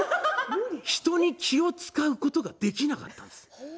人に気を遣うことができなかったんです。